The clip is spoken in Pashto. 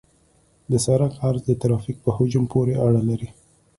د سرک عرض د ترافیک په حجم پورې اړه لري